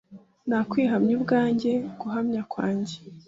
Nakwihamya ubwanjye guhamya kwanjye